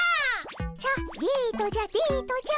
さあデートじゃデートじゃ。